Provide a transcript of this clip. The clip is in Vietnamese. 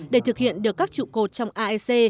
để thực hiện được các trụ cột trong aec